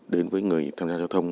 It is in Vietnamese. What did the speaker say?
đến với người tham gia giao thông